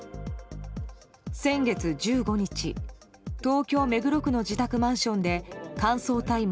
先月１５日東京・目黒区の自宅マンションで乾燥大麻